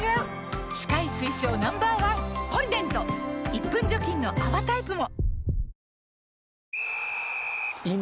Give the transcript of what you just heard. １分除菌の泡タイプも！